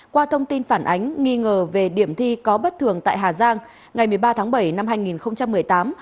qua thông tin phản ánh nghi ngờ về điểm thi có bất thường tại hà giang ngày một mươi ba tháng bảy năm hai nghìn một mươi tám